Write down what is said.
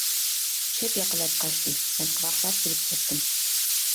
چۆپ ياقىلاپ قاچتى. مەن قاقاقلاپ كۈلۈپ كەتتىم.